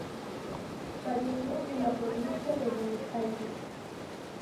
Falleció en la provincia de Buenos Aires.